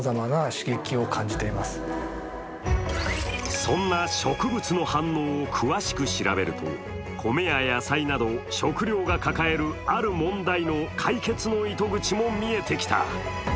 そんな植物の反応を詳しく調べると米や野菜など食料が抱えるある問題の解決の糸口も見えてきた。